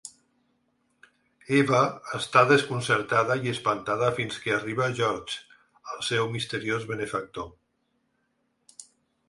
Eva està desconcertada i espantada fins que arriba Georges, el seu misteriós benefactor.